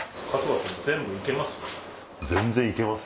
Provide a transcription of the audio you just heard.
全部行けます？